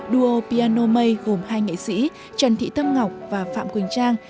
duo piano mây gồm hai nghệ sĩ trần thị thâm ngọc và phạm quỳnh trang